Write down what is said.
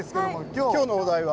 今日のお題は？